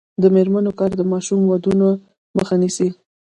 د میرمنو کار د ماشوم ودونو مخه نیسي.